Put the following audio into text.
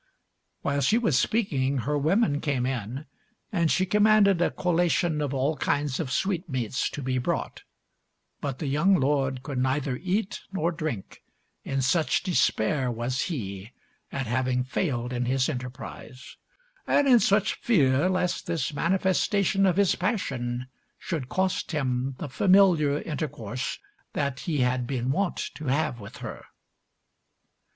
While she was speaking, her women came in, and she commanded a collation of all kinds of sweetmeats to be brought; but the young lord could neither eat nor drink, in such despair was he at having failed in his enterprise, and in such fear lest this manifestation of his passion should cost him the familiar intercourse that he had been wont to have with her.